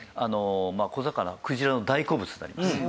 まあ小魚クジラの大好物になります。